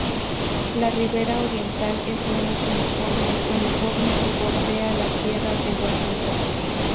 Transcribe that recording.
La ribera oriental es menos uniforme uniforme, y bordea la Tierra de Washington.